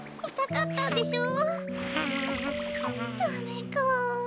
ダメか。